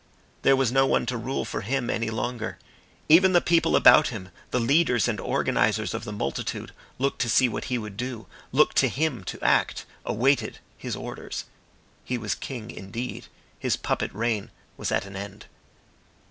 There was no one to rule for him any longer. Even the people about him, the leaders and organisers of the multitude, looked to see what he would do, looked to him to act, awaited his orders. He was king indeed. His puppet reign was at an end.